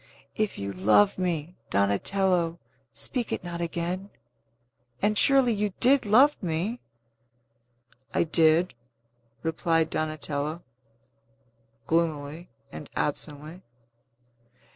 If you love me, Donatello, speak it not again. And surely you did love me?" "I did," replied Donatello gloomily and absently.